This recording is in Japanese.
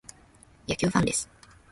野球ファンです。